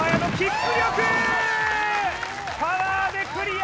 パワーでクリア